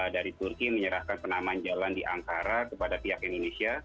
dari turki menyerahkan penamaan jalan di ankara kepada pihak indonesia